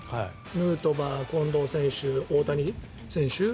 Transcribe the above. ヌートバー、近藤選手、大谷選手